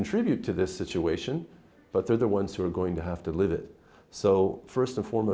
trongeting thực tế trong việt nam